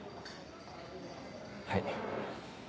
はい。